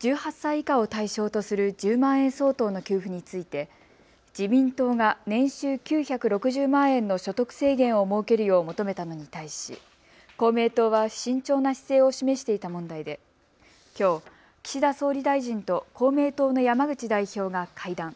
１８歳以下を対象とする１０万円相当の給付について自民党が年収９６０万円の所得制限を設けるよう求めたのに対し公明党は慎重な姿勢を示していた問題できょう岸田総理大臣と公明党の山口代表が会談。